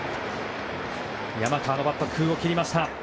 山川のバットが空を切りました。